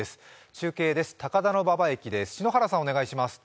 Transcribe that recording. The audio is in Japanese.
中継です、高田馬場駅です。